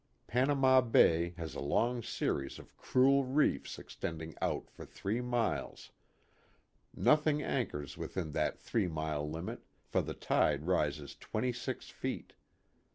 Panama bay has a long series of cruel reefs extending out for three miles ; nothing anchors A PICNIC NEAR THE EQUATOR. 65 within that three mile limit, for the tide rises twenty six feet.